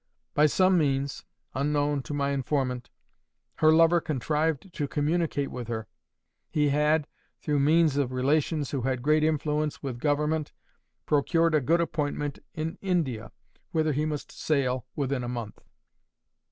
By some means, unknown to my informant, her lover contrived to communicate with her. He had, through means of relations who had great influence with Government, procured a good appointment in India, whither he must sail within a month.